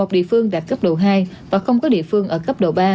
một mươi một địa phương đạt cấp độ hai và không có địa phương ở cấp độ ba